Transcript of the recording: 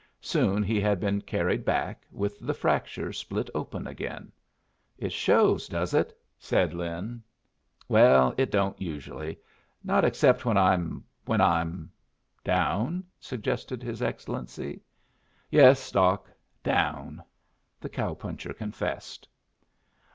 Soon he had been carried back, with the fracture split open again. "It shows, does it?" said Lin. "Well, it don't usually. Not except when I'm when I'm " "Down?" suggested his Excellency. "Yes, Doc. Down," the cow puncher confessed.